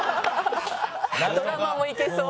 ドラマもいけそう。